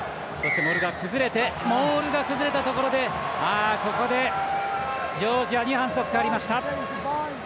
モールが崩れたところでここでジョージアに反則がありました。